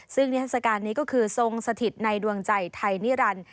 ซึ่งนิทัศกาลนี้ก็คือทรงสถิตในดวงใจไทยนิรันดิ์